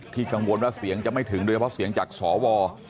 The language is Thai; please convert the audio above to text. กังวลว่าเสียงจะไม่ถึงโดยเฉพาะเสียงจากสว